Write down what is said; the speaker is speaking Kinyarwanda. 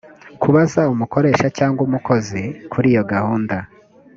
kubaza umukoresha cyangwa umukozi kuri iyo gahunda